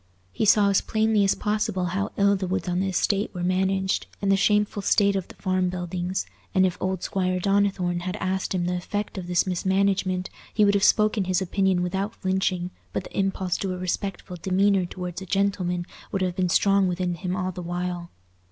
He saw as plainly as possible how ill the woods on the estate were managed, and the shameful state of the farm buildings; and if old Squire Donnithorne had asked him the effect of this mismanagement, he would have spoken his opinion without flinching, but the impulse to a respectful demeanour towards a "gentleman" would have been strong within him all the while.